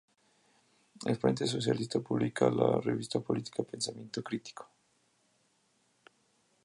El Frente Socialista publica la revista política "Pensamiento Crítico".